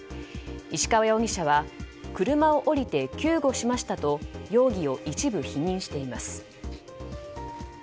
石川容疑者は車を降りて救護しましたと容疑を一部否認しています。